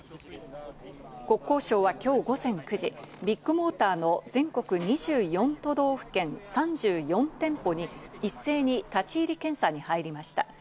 国交省はきょう午前９時、ビッグモーターの全国２４都道府県３４店舗に一斉に立ち入り検査に入りました。